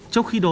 trong khi đó